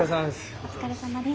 お疲れさまです。